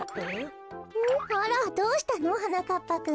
あらっどうしたの？はなかっぱくん。